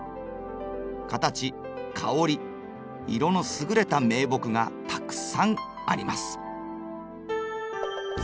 形香り色の優れた名木がたくさんあります。